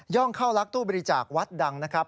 ย่องเข้ารักตู้บิจักษ์วัดดังนะครับ